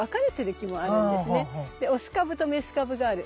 でオス株とメス株がある。